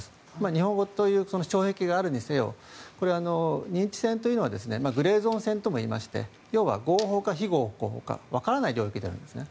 日本語という障壁があるにせよこれは認知戦というのはグレーゾーン戦ともいいまして要は合法か、非合法かわからない領域でやるんですね。